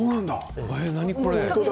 何これ？